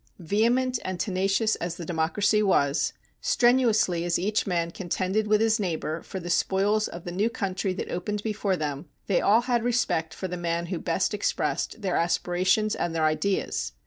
Vehement and tenacious as the democracy was, strenuously as each man contended with his neighbor for the spoils of the new country that opened before them, they all had respect for the man who best expressed their aspirations and their ideas.